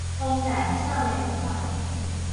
防彈少年團